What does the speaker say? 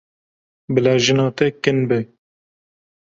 Bila jina te kin be.